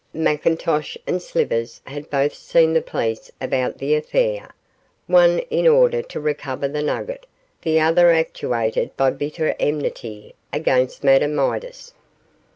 McIntosh and Slivers had both seen the police about the affair, one in order to recover the nugget, the other actuated by bitter enmity against Madame Midas.